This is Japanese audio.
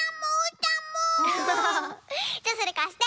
じゃそれかして。